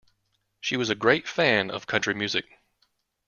She was a great fan of country music